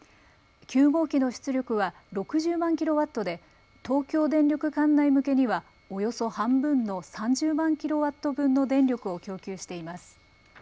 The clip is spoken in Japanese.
９号機の出力は６０万キロワットで東京電力管内向けにはおよそ半分の３０万キロワット分の電力を供給しています。